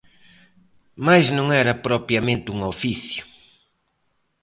Mais non era propiamente un oficio.